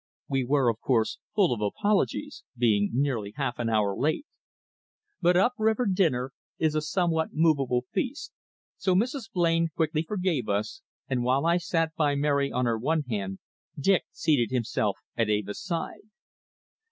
We were, of course, full of apologies, being nearly half an hour late. But up river dinner is a somewhat movable feast, so Mrs. Blain quickly forgave us, and while I sat by Mary on her one hand, Dick seated himself at Eva's side.